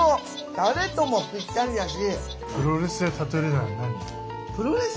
たれともぴったりだし。